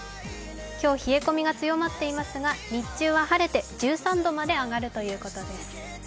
今日冷え込みが強まっていますが日中は晴れて１３度まで上がるということです。